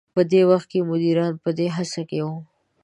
په دې وخت کې مديران په دې هڅه کې وو.